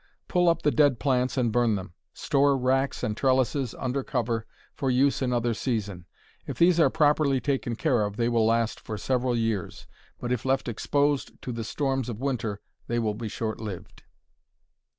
Pull up the dead plants and burn them. Store racks and trellises under cover for use another season. If these are properly taken care of they will last for several years, but if left exposed to the storms of winter they will be short lived.